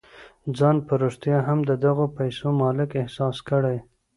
ځان په رښتيا هم د دغو پيسو مالک احساس کړئ.